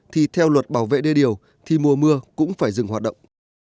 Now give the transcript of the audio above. thì theo luật bảo vệ đê điều thì mùa mưa cũng phải dừng hoạt động